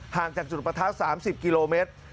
จากจุดประทัด๓๐กิโลเมตร